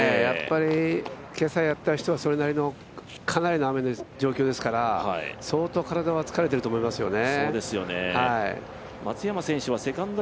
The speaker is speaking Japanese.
今朝やった人はそれなりの、かなりの雨の状況ですから、相当体は疲れていると思いますよね。